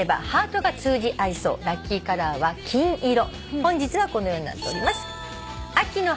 本日はこのようになっております。